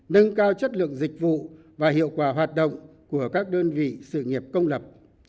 nâng cao chất lượng dịch vụ và hiệu quả hoạt động của các đơn vị sự nghiệp công lập